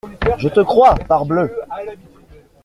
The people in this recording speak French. Je te crois, parbleu !